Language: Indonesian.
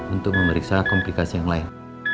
untuk memeriksa komplikasi yang lain